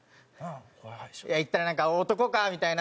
行ったらなんか「男か」みたいな。